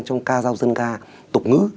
trong ca giao dân ca tục ngữ